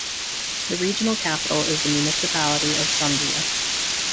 The regional capital is the municipality of Songea.